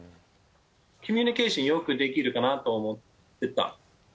コミュニケーションよくできるかなと思ってた。